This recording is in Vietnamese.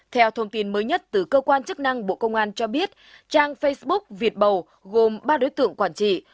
theo thông tin mới nhất từ cơ quan chức năng bộ công an cho biết trang facebook việt bầu gồm ba đối tượng quản trị